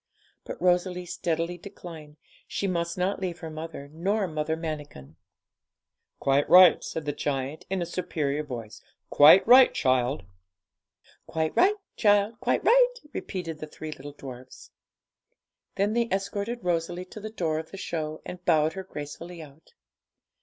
But Rosalie steadily declined; she must not leave her mother nor Mother Manikin. 'Quite right,' said the giant, in a superior voice; 'quite right, child.' 'Quite right, child, quite right,' repeated the three little dwarfs. Then they escorted Rosalie to the door of the show, and bowed her gracefully out.